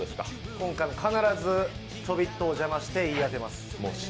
今回も必ずちょびっとお邪魔して、言い当てます。